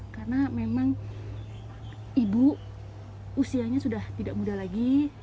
karena memang ibu usianya sudah tidak muda lagi